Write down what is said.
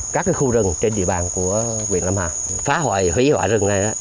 các khu rừng trên địa bàn của quyện lâm hà phá hoại hủy hoại rừng này